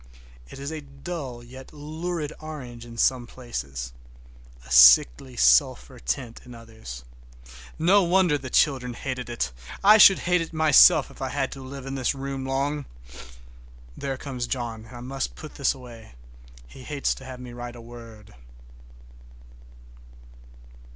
It is a dull yet lurid orange in some places, a sickly sulphur tint in others. No wonder the children hated it! I should hate it myself if I had to live in this room long. There comes John, and I must put this away,—he hates to have me write a word.